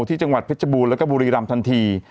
ที่จังหวัดเพชรบูรณแล้วก็บุรีรำทันที